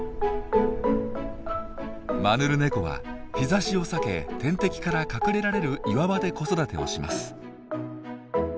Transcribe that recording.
マヌルネコは日ざしを避け天敵から隠れられる岩場で子育てをします。